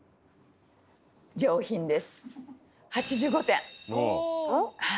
上品です。